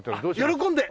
喜んで！